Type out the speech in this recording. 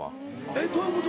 えっどういうこと？